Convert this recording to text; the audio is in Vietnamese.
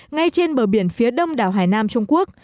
ngay trên bờ biển phía đông đảo hải nam trung quốc